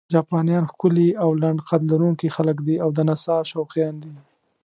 جاپانیان ښکلي او لنډ قد لرونکي خلک دي او د نڅا شوقیان دي.